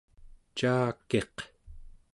caa-kiq?